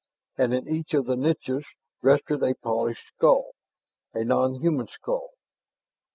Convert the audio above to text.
And in each of the niches rested a polished skull, a nonhuman skull.